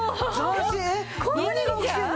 えっ何が起きてんの？